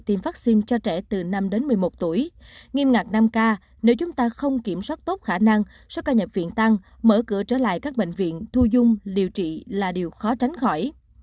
tỷ lệ tiêm vắc xin cho trẻ từ năm đến một mươi một tuổi nghiêm ngạc năm k nếu chúng ta không kiểm soát tốt khả năng sơ ca nhập viện tăng mở cửa trở lại các bệnh viện thu dung liều trị là điều khó tránh khỏi